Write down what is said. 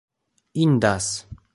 indas